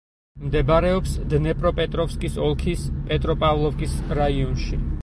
მდებარეობს დნეპროპეტროვსკის ოლქის პეტროპავლოვკის რაიონში.